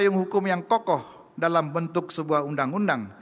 payung hukum yang kokoh dalam bentuk sebuah undang undang